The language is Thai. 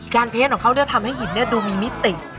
การเพ้นของเขาเนี่ยทำให้หินดูมีมิติ